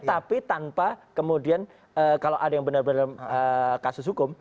tapi tanpa kemudian kalau ada yang benar benar kasus hukum